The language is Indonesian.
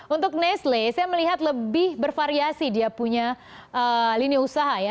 untuk nestle saya melihat lebih bervariasi dia punya lini usaha ya